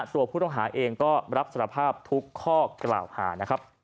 ตัวผู้ต้องหาเองก็รับสารภาพทุกข้อกล่าวหานะครับ